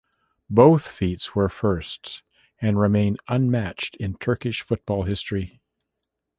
Both feats were firsts, and remain unmatched in Turkish football history.